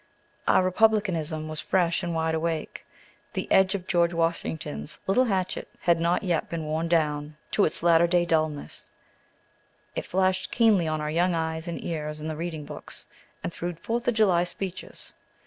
Our republicanism was fresh and wide awake. The edge of George Washington's little hatchet had not yet been worn down to its latter day dullness; it flashed keenly on our young eyes and ears in the reading books, and through Fourth of July speeches.